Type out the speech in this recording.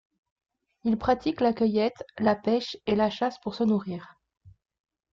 Ils pratiquent la cueillette, la pêche et la chasse pour se nourrir.